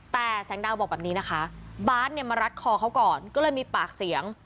แต่แสงดาวบอกแบบนี้นะคะบาสเนี่ยมารัดคอเขาก่อนก็เลยมีปากเสียง